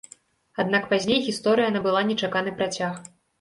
Аднак пазней гісторыя набыла нечаканы працяг.